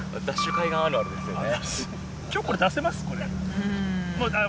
海岸あるあるですよね。